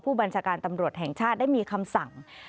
บัญชาการตำรวจแห่งชาติได้มีคำสั่ง